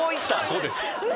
５です